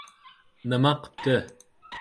— Nima qipti?